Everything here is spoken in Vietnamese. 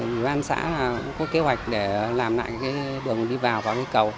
bên an xã cũng có kế hoạch để làm lại cái đường đi vào vào cây cầu